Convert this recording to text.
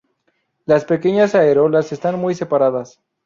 Las pequeñas areolas están muy separadas.